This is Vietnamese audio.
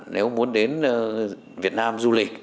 nếu muốn đến việt nam du lịch